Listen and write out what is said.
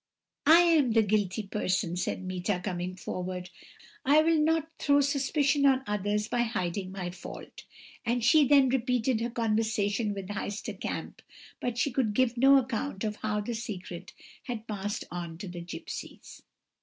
"'I am the guilty person,' said Meeta, coming forward; 'I will not throw suspicion on others by hiding my fault;' and she then repeated her conversation with Heister Kamp, but she could give no account of how the secret had passed on to the gipsies.